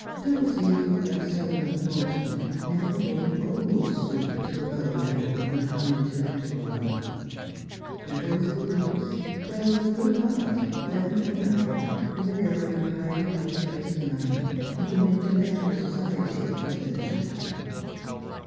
Dulcie, who had so loved Morton, never could or would stoop to the lower level of an unintellectual lover. Seville's good looks, Beville's good heart, went for nothing with a, girl of highly cultivated mind, to whom intellectual society was a necessity.